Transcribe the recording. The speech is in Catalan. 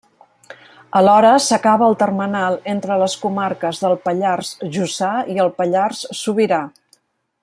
Alhora s'acaba el termenal entre les comarques del Pallars Jussà i el Pallars Sobirà.